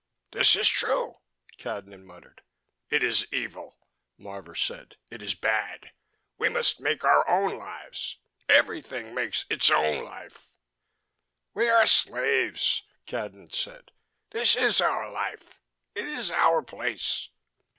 "This is true," Cadnan muttered. "It is evil," Marvor said. "It is bad. We must make our own lives. Every thing makes its own life." "We are slaves," Cadnan said. "This is our life. It is our place."